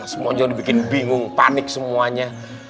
semuanya udah bikin bingung panik semuanya